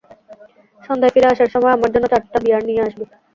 সন্ধ্যায় ফিরে আসার সময় আমার জন্য চারটা বিয়ার নিয়ে আসবি।